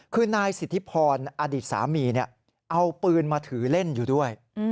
คือนายสิทธิพรอดีตสามีเอาปืนมาถือเล่นอยู่ด้วย